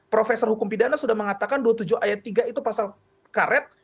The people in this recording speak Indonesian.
profesor hukum pidana sudah mengatakan dua puluh tujuh ayat tiga itu pasal karet